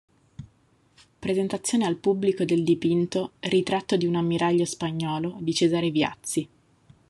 Presentazione al pubblico del dipinto "Ritratto di un Ammiraglio spagnolo" di Cesare Viazzi.".